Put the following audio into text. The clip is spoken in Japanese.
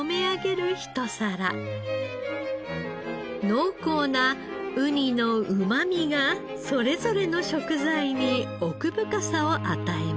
濃厚なウニのうまみがそれぞれの食材に奥深さを与えます。